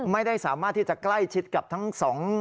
ไม่สามารถที่จะใกล้ชิดกับทั้งสอง